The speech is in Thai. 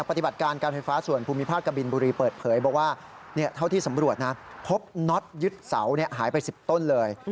พบน็อตยึดเสาร์หายไปสิบต้นเลย